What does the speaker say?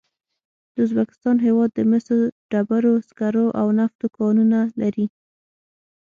د ازبکستان هېواد د مسو، ډبرو سکرو او نفتو کانونه لري.